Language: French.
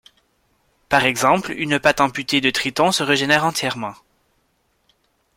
Par exemple une patte amputée de triton se régénère entièrement.